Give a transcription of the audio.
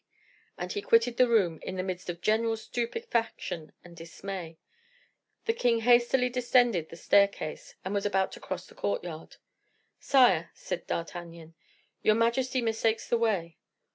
And he quitted the room in the midst of general stupefaction and dismay. The king hastily descended the staircase, and was about to cross the courtyard. "Sire," said D'Artagnan, "your majesty mistakes the way."